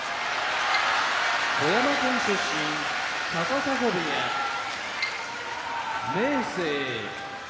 富山県出身高砂部屋明生